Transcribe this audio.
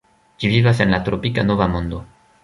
Ĝi vivas en la tropika Nova Mondo.